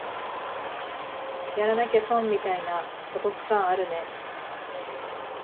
やらなきゃ損みたいなお得感あるね